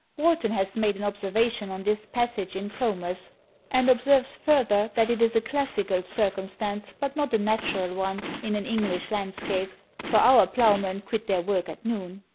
Warton has made an observation on this passage in Comus; and observes further that it is a classical circumstance, but not a natural one, in an English landscape, for our ploughmen quit their work at noon.